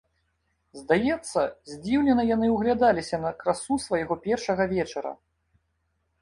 Здаецца, здзіўлена яны ўглядаліся на красу свайго першага вечара.